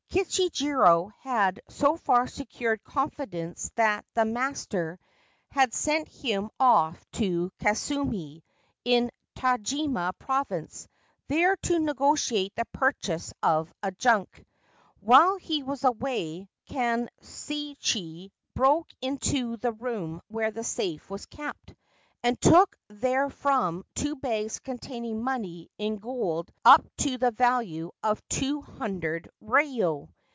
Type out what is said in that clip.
Kichijiro had so far secured confidence that the master had sent him off to Kasumi, in Tajima Province, there to negotiate the purchase of a junk. While he was away Kanshichi broke into the room where the safe was kept, and took therefrom two bags containing money in gold up 246 KICHIJIRO FINDS POOR O IMA BLIND The Blind Beauty to the value of 200 ryo.